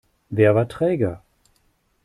Wer war träger?